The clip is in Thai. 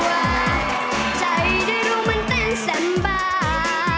กลัวใจได้รู้มันเต้นแซมบาร์